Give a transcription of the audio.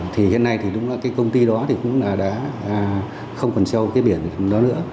thì hiện nay thì đúng là cái công ty đó thì cũng là đã không còn treo cái biển đó nữa